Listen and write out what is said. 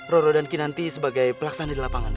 roro dan kinanti sebagai pelaksana di lapangan